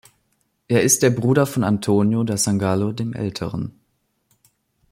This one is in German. Er ist der Bruder von Antonio da Sangallo dem Älteren.